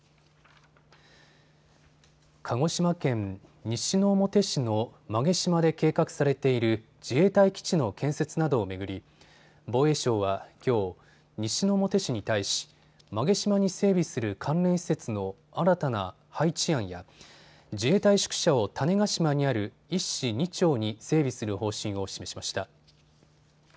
鹿児島県西之表市の馬毛島で計画されている自衛隊基地の建設などを巡り防衛省はきょう、西之表市に対し馬毛島に整備する関連施設の新たな配置案や自衛隊宿舎を種子島にある１市２町に整備する方針を示しました。